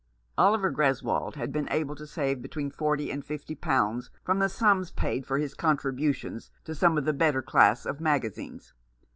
Oliver Greswold had been able to save between forty and fifty pounds from the sums paid for his contributions to some of the better class of magazines.